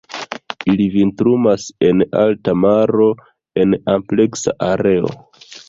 Ili vintrumas en alta maro en ampleksa areo.